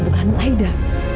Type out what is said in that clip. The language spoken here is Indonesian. ibu kanung aida